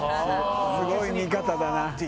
すごい見方だな。